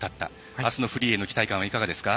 あすのフリーへの期待感はいかがですか？